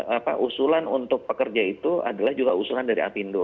apa usulan untuk pekerja itu adalah juga usulan dari apindo